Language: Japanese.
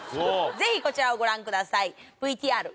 ぜひこちらをご覧ください。